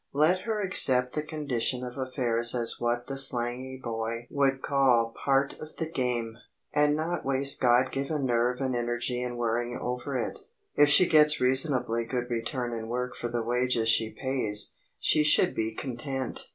Let her accept the condition of affairs as what the slangy boy would call "part of the game," and not waste God given nerve and energy in worrying over it. If she gets reasonably good return in work for the wages she pays, she should be content.